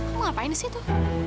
kamu ngapain di situ